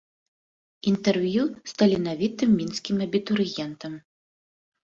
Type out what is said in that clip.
Інтэрв'ю з таленавітым мінскім абітурыентам.